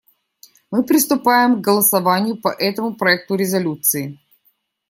Мы приступаем к голосованию по этому проекту резолюции.